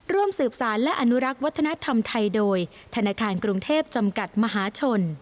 ร่วมสืบสารและอนุรักษ์วัฒนธรรมไทยโดยธนาคารกรุงเทพจำกัดมหาชน